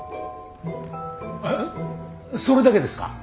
えっそれだけですか？